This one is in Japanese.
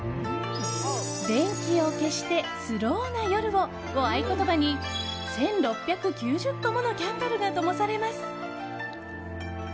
「でんきを消して、スローな夜を。」を合言葉に１６９０個ものキャンドルがともされます。